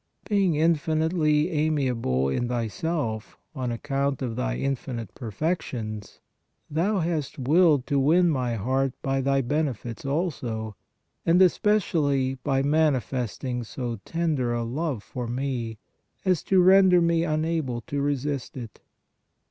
Being infinitely amiable in Thy self, on account of Thy infinite perfections, Thou hast willed to win my heart by Thy benefits also, and especially by manifesting so tender a love for me, as to render me unable to resist it.